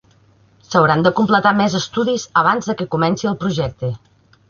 S'hauran de completar més estudis abans de que comenci el projecte.